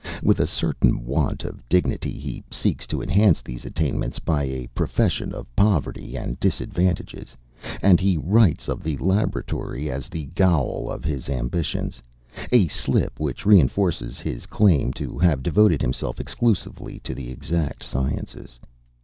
With a certain want of dignity he seeks to enhance these attainments by a profession of poverty and disadvantages, and he writes of the laboratory as the "gaol" of his ambitions, a slip which reinforces his claim to have devoted himself exclusively to the exact sciences.